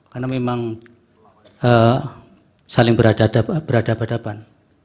karena memang saling beradab adaban